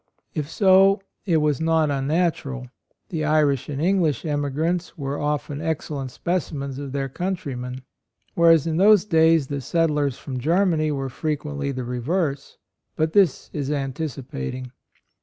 If so, it was not unnatural: the Irish and English emigrants were often excellent specimens of their countrymen; whereas in those days the settlers from Germany AND MOTHER. 75 were frequently the reverse. But this is anticipating.